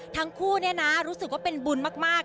ทั้งคู่เนี่ยนะรู้สึกว่าเป็นบุญมาก